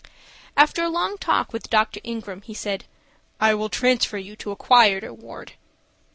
After a long talk with Dr. Ingram, he said, "I will transfer you to a quieter ward."